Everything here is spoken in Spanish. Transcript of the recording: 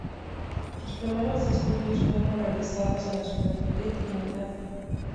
Sus primeros estudios fueron realizados en la ciudad de Trinidad.